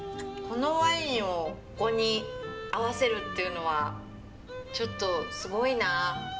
このワインをここに合わせるっていうのはちょっとすごいな。